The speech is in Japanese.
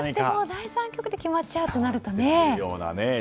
第３局で決まっちゃうとなるとね。